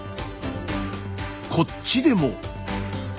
こっちでも。